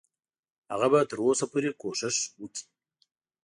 هغه به تر اوسه پورې کوشش وکړي.